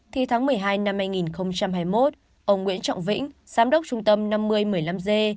thì tháng một mươi hai năm hai nghìn hai mươi một ông nguyễn trọng vĩnh giám đốc trung tâm năm mươi một mươi năm g